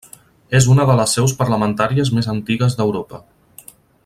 És una de les seus parlamentàries més antigues d'Europa.